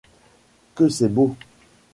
Que c’est beau !